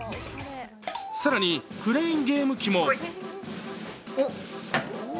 更に、クレーンゲーム機も。